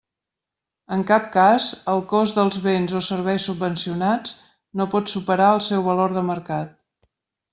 En cap cas, el cost dels béns o serveis subvencionats no pot superar el seu valor de mercat.